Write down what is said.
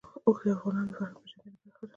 اوښ د افغانانو د فرهنګي پیژندنې برخه ده.